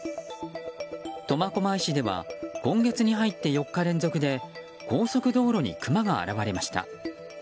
苫小牧市では今月に入って４日連続で高速道路にクマが現れました。